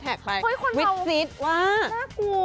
เห้ยคนเราน่ากลัววิศิษฐ์ว่า